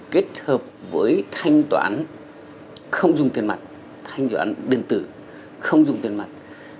kết hợp với thanh toán không dùng tiền mặt thanh toán điện tử không dùng tiền mặt